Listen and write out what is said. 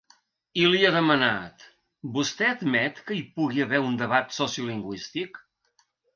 I li ha demanat: Vostè admet que hi pugui haver un debat sociolingüístic?